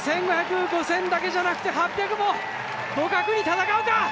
１５００、５０００だけでなく８００も互角に戦うんだ。